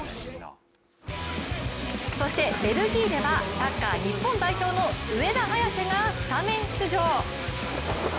そしてベルギーではサッカー日本代表の上田綺世がスタメン出場。